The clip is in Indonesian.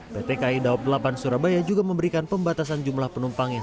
pt kai dawab delapan surabaya juga memberikan pembatasan jumlah penumpang yang